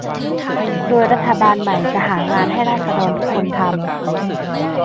โดยรัฐบาลใหม่จะหางานให้ราษฎรทุกคนทำ